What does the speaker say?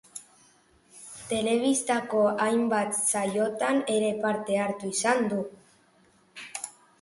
Telebistako hainbat saiotan ere parte hartu izan du.